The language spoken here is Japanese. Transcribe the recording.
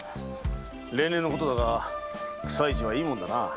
例年のことだが草市はいいもんだなあ。